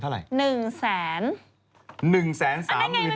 ๕หมื่น